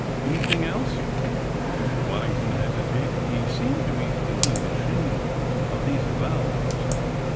"Anything else?" Mr. Waddington hesitated. He seemed to be feeling the shame of these avowals.